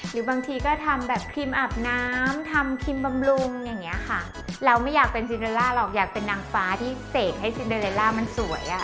หรือบางทีก็ทำแบบครีมอาบน้ำทำครีมบำรุงอย่างเงี้ยค่ะเราไม่อยากเป็นซิเดลล่าหรอกอยากเป็นนางฟ้าที่เสกให้ซินเดอเรลล่ามันสวยอ่ะ